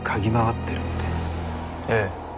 ええ。